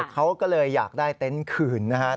เขาก็เลยอยากได้เต็นต์คืนนะครับ